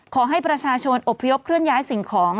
ขอให้ประชาชนอบพยพเคลื่อนย้ายสิ่งของ